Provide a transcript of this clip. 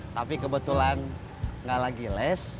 tapi kebetulan nggak lagi les